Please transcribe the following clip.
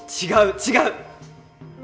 違う違う！